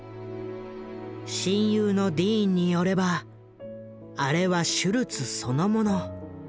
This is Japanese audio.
親友のディーンによればあれはシュルツそのもの。